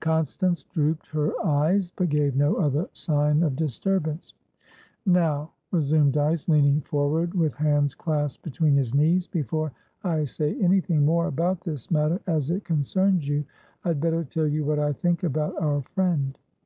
Constance drooped her eyes, but gave no other sign of disturbance. "Now," resumed Dyce, leaning forward with hands clasped between his knees, "before I say anything more about this matter as it concerns you, I had better tell you what I think about our friend.